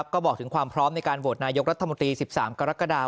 ก็บอกถึงความพร้อมในการโหวตนายกรัฐมนตรี๑๓กรกฎา